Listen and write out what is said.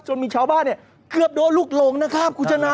จนมีชาวบ้านเกือบโดดลุกหลงนะครับกุจนะ